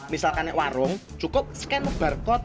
misalkan warung cukup scan barcode